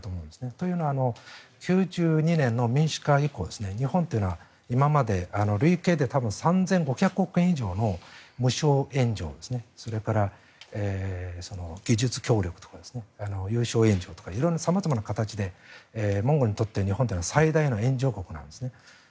というのは９２年の民主化以降日本は今まで累計で多分３５００億円以上の無償援助やそれから技術協力とか有償援助を色んな、様々な形でモンゴルにとって日本は最大の援助国なんですね。